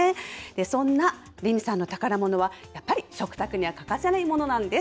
そんなレミさんの宝ものは、やっぱり食卓には欠かせないものなんです。